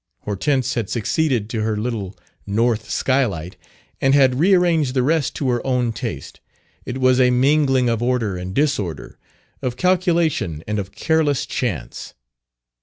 Hortense had succeeded to her little north skylight, and had rearranged the rest to her own taste; it was a mingling of order and disorder, of calculation and of careless chance.